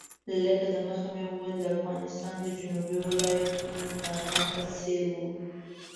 لکه د مخه مې وویل د افغانستان د جنوبي ولایتونو ځوانانو په څېر وو.